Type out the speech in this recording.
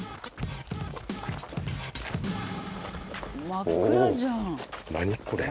真っ暗じゃん。